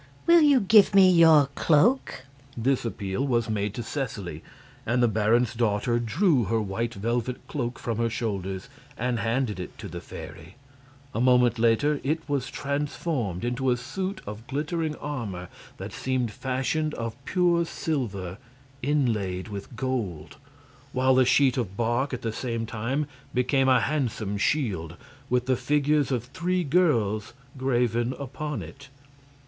Will you give me your cloak?" This appeal was made to Seseley, and the baron's daughter drew her white velvet cloak from her shoulders and handed it to the fairy. A moment later it was transformed into a suit of glittering armor that seemed fashioned of pure silver inlaid with gold, while the sheet of bark at the same time became a handsome shield, with the figures of three girls graven upon it.